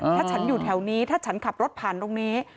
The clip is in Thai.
ถ้าฉันอยู่แถวนี้ถ้าฉันขับรถผ่านตรงนี้